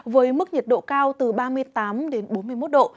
với mức nhiệt độ cao từ ba mươi tám đến bốn mươi một độ